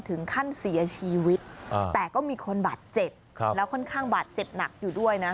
ถึงขั้นเสียชีวิตแต่ก็มีคนบาดเจ็บแล้วค่อนข้างบาดเจ็บหนักอยู่ด้วยนะ